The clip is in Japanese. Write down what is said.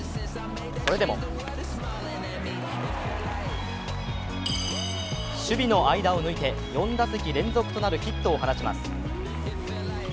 それでも守備の間を抜いて、４打席連続となるヒットを放ちます。